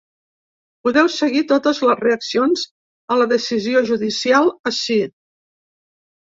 Podeu seguir totes les reaccions a la decisió judicial ací.